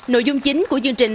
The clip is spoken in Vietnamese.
nội dung chính của chương trình